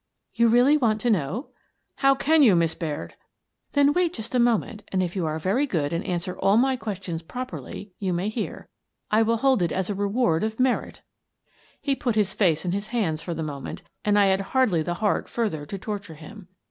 " You really want to know? " "How can you, Miss Baird?" "Then wait just a moment and, if you are very good and answer all my questions properly, you may hear. I will hold it as a reward of merit" He put his face in his hands for the moment, and I had hardly the heart further to torture him.